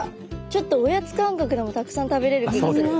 ちょっとおやつ感覚でもたくさん食べれる気がする。